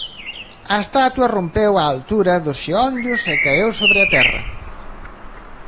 A estatua rompeu á altura dos xeonllos e caeu sobre a terra.